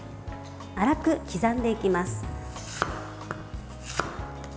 粗く刻んでいきます。